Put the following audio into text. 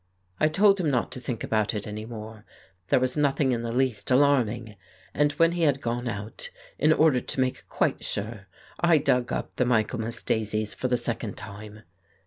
I told him not to think about it any more; there was nothing in the least alarming, and when he had gone out, in order to make quite sure, I dug up the Michaelmas daisies for the second time.